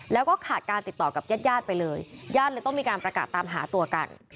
แล้วก็ขาดการติดต่อกับญาติญาติไปเลยญาติเลยต้องมีการประกาศตามหาตัวกัน